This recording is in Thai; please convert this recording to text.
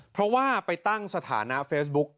เพราะว่าไปตั้งสถานะเฟซบุ๊ก